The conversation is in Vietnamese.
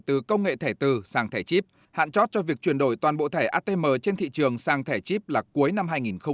từ công nghệ thẻ tư sang thẻ chip hạn chót cho việc chuyển đổi toàn bộ thẻ atm trên thị trường sang thẻ chip là cuối năm hai nghìn hai mươi